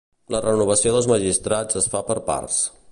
La renovació dels magistrats es fa per parts.